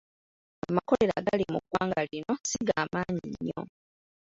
Amakolero agali mu ggwanga lino si ga maanyi nnyo.